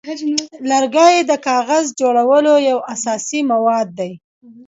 لرګی د کاغذ جوړولو یو اساسي مواد دی.